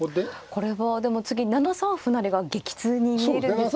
これはでも次７三歩成が激痛に見えるんですけれども。